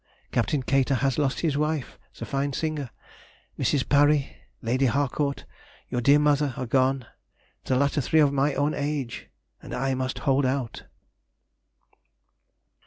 Captain Kater has lost his wife, the fine singer; Mrs. Parry; Lady Harcourt; your dear mother, are gone—the latter three of my own age, and I must hold out!